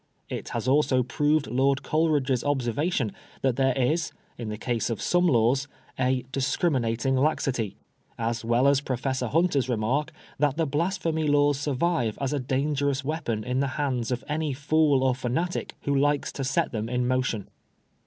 It has also proved Lord Coleridge's observation that there PREFACE. 7 is, in the case of some laws, a " discriminating laxity/* as well as Professor Hunter's remark that the Blasphemy Laws survive as a dangerous weapon in the hands of any fool or fanatic who likes to set them in motion.